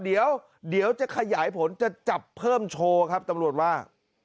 เดี๋ยวจะขยายผลจะจับเพิ่มโชว์ครับตำรวจว่า